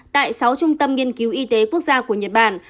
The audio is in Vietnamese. tại sáu trung tâm nghiên cứu y tế quốc gia của nhật bản